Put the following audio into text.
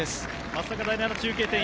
松阪第７中継点